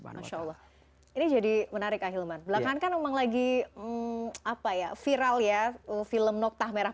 masya allah ini jadi menarik ahilman belakangan kan memang lagi apa ya viral ya film noktah merah